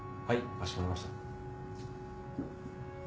かしこまりました。